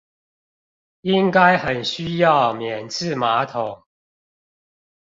應該很需要免治馬桶